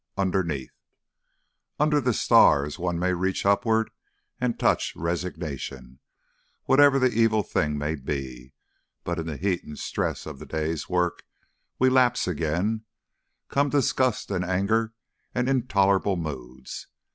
IV UNDERNEATH Under the stars one may reach upward and touch resignation, whatever the evil thing may be, but in the heat and stress of the day's work we lapse again, come disgust and anger and intolerable moods.